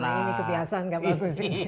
nah ini kebiasaan gak bagus sih